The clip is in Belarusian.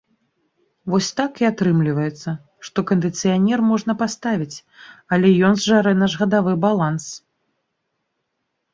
Вось так і атрымліваецца, што кандыцыянер можна паставіць, але ён зжарэ наш гадавы баланс.